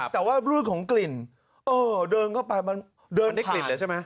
แต่ว่ารุ่นของกลิ่นเดินเข้าไปมันเดินผ่าน